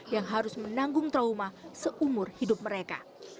yang harus menanggung trauma seumur hidup mereka